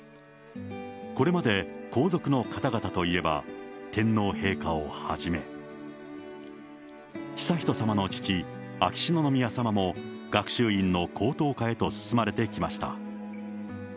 これまで、皇族の方々といえば、天皇陛下をはじめ、悠仁さまの父、秋篠宮さまも学習院の高等科へと進まれてきました。